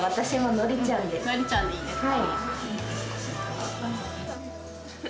典ちゃんでいいですか？